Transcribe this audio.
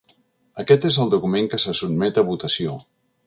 Aquest és el document que se sotmet a votació.